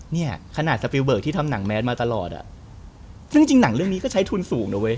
เนี่ยขนาดสปิลเบิกที่ทำหนังแมสมาตลอดอ่ะซึ่งจริงหนังเรื่องนี้ก็ใช้ทุนสูงนะเว้